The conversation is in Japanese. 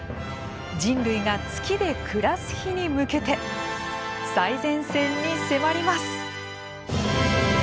人類が月で暮らす日に向けて最前線に迫ります。